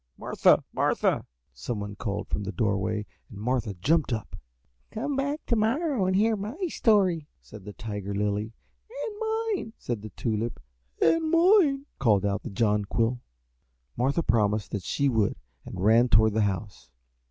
"Martha! Martha!" some one called from the doorway, and Martha jumped up. "Come back to morrow and hear my story," said the Tiger Lily; "and mine," said the Tulip; "and mine," called out the Jonquil. Martha promised that she would and ran toward the house.